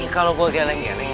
iya kalo gua geleng geleng